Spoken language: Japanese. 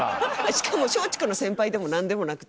しかも松竹の先輩でも何でもなくて。